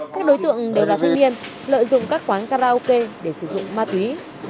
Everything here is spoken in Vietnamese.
các đối tượng đều là thanh niên lợi dụng các quán karaoke để sử dụng ma túy